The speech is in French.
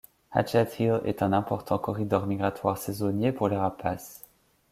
Hatchett Hill est un important corridor migratoire saisonnier pour les rapaces.